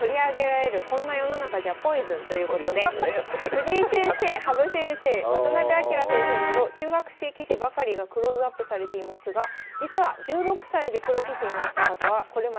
藤井先生羽生先生渡辺明先生など中学生棋士ばかりがクローズアップされていますが実は１６歳でプロ棋士になった方はこれまで８人しかおりません。